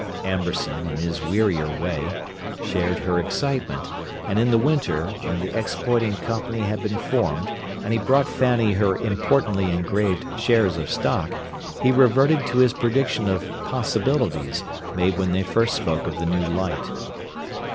Amberson, in his wearier way, shared her excitement, and in the winter, when the exploiting company had been formed, and he brought Fanny, her importantly engraved shares of stock, he reverted to his prediction of possibilities, made when they first spoke of the new light.